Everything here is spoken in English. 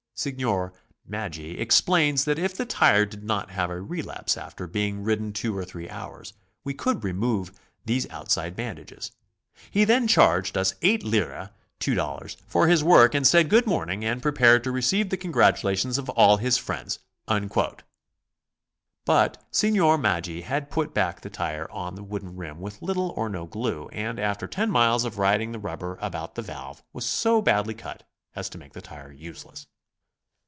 Signor Maggi explained that if the tire didn't have a relapse after being ridden two or three hours, we could remove these outside bandages. He then charged us eight lire (two dol lars) for his work and said good morning, and prepared to receive the congratulations of all his friends." But Signor Maggi had put back the tire on the wooden rim with little or no glue, and after ten miles of riding the rubber about the valve was so badly cut as to make the tire useless.